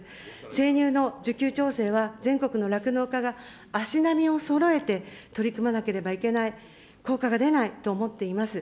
生乳の需給調整は全国の酪農家が足並みをそろえて取り組まなければいけない、効果が出ないと思っています。